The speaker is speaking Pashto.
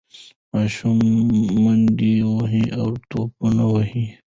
ماشومان منډې وهي او ټوپونه وهي.